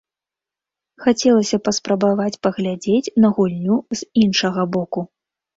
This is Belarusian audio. Хацелася паспрабаваць паглядзець на гульню з іншага боку.